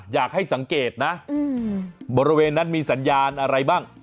อยากให้สังเกตนะบริเวณนั้นมีสัญญาณอะไรบ้าง